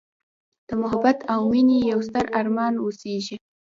د محبت او میینې یوستر ارمان اوسیږې